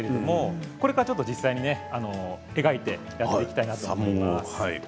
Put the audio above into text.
これから実際に描いてやっていきたいと思います。